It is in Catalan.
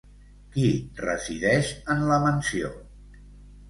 Qui resideix en la mansió?